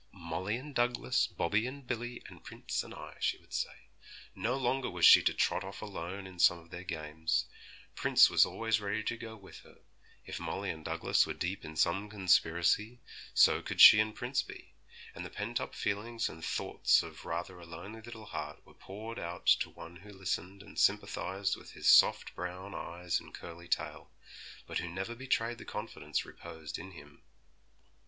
'Molly and Douglas, Bobby and Billy, and Prince and I,' she would say. No longer was she to trot off alone in some of their games, Prince was always ready to go with her; if Molly and Douglas were deep in some conspiracy, so could she and Prince be; and the pent up feelings and thoughts of rather a lonely little heart were poured out to one who listened and sympathised with his soft brown eyes and curly tail, but who never betrayed the confidence reposed in him.